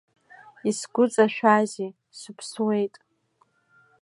Исгәыҵашәазеи, сыԥсуеит.